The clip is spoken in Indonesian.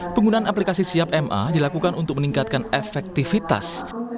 penggunaan aplikasi siapma dilakukan untuk meningkatkan efektivitas